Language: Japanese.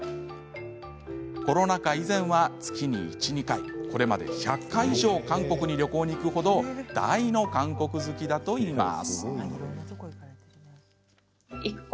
コロナ禍以前は月に１、２回これまでに１００回以上韓国に旅行に行くほど大の韓国好きだといいます。